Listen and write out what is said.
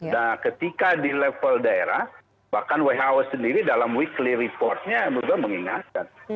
nah ketika di level daerah bahkan who sendiri dalam weekly reportnya juga mengingatkan